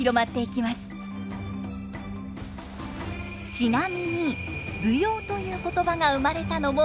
ちなみに舞踊という言葉が生まれたのも明治時代。